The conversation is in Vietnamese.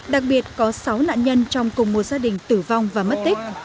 đặc biệt có sáu nạn nhân trong cùng một gia đình tử vong và mất tích